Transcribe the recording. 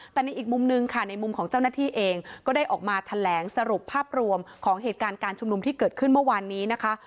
แต่ในอีกมุมนึงค่ะในมุมของเจ้าหน้าที่เองก็ได้ออกมาแถลงสรุปภาพรวมของเหตุการณ์การชุมนุมที่เกิดขึ้นเมื่อวานนี้นะคะ